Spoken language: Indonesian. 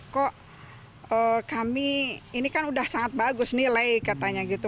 kok kami ini kan udah sangat bagus nilai katanya gitu